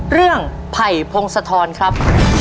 เรื่องไภพงษธรครับ